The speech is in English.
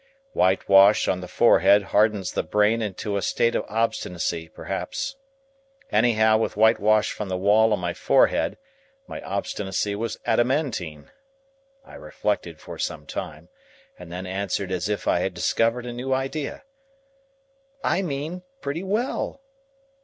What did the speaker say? Whitewash on the forehead hardens the brain into a state of obstinacy perhaps. Anyhow, with whitewash from the wall on my forehead, my obstinacy was adamantine. I reflected for some time, and then answered as if I had discovered a new idea, "I mean pretty well."